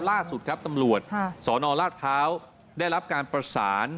ล่าสุดครับตำรวจสนราชพร้าวได้รับการประสาน